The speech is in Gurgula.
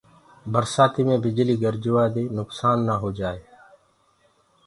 برسآتيٚ مينٚ بِجليٚ گرجوآ دي نُڪسآن نآ هوجآئي۔